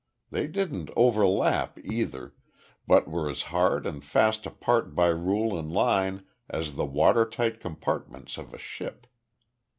They didn't overlap either, but were as hard and fast apart by rule and line as the watertight compartments of a ship.